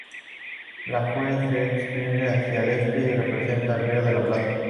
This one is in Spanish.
La fuente se extiende hacia el este, y representa al Río de la Plata.